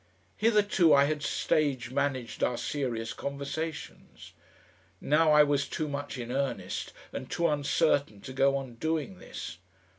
Hitherto I had stage managed our "serious" conversations. Now I was too much in earnest and too uncertain to go on doing this.